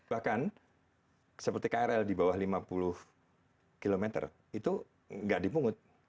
bahkan seperti krl di bawah lima puluh km itu nggak dipungut